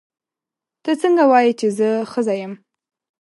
ته څنګه وایې چې زه ښځه یم.